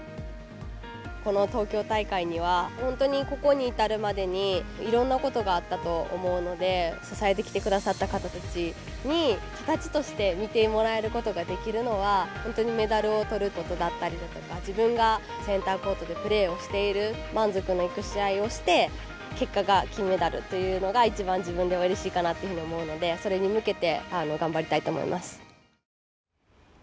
この東京大会には本当に、ここに至るまでにいろんなことがあったと思うので支えてきてくださった方たちに形として見てもらえることができるのは本当にメダルを取ることだったりとか自分がセンターコートでプレーをしている満足のいく試合をして結果が金メダルっていうのが一番、自分では、うれしいかなっていうふうに思うのでそれに向けて頑張りたいと思います。